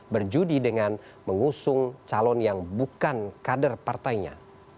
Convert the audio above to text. berjudi dengan mengusung calon yang bukan kader partainya